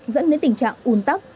dẫn đến tình trạng ùn tóc